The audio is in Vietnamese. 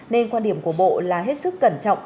nên quan điểm của bộ là hết sức cẩn trọng